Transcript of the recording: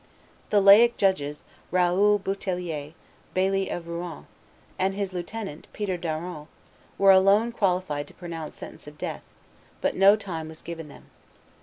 The laic judges, Raoul Bouteillier, baillie of Rouen, and his lieutenant, Peter Daron, were alone qualified to pronounce sentence of death; but no time was given them.